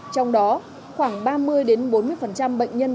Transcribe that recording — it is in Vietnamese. trong đó khoảng ba mươi bốn mươi bệnh nhân